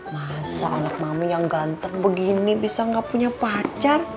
masa anak mami yang ganteng begini bisa gak punya pacar